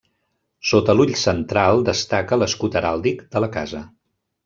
Sota l'ull central destaca l'escut heràldic de la casa.